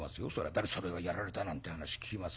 誰それがやられたなんて話聞きますからね。